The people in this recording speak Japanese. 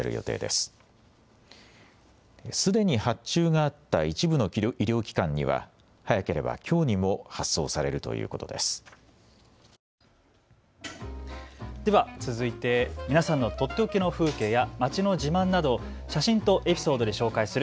すでに発注があった一部の医療機関には早ければきょうにも発送されるということです。